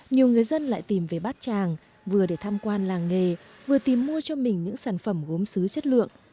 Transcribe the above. nhiều người dân lại tìm về bát tràng vừa để tham quan làng nghề vừa tìm mua cho mình những sản phẩm gốm xứ chất lượng